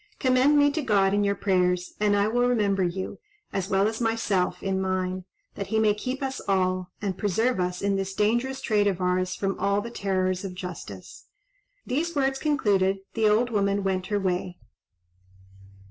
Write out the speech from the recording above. Commend me to God in your prayers, and I will remember you, as well as myself, in mine, that he may keep us all, and preserve us in this dangerous trade of ours from all the terrors of justice." These words concluded, the old woman went her way.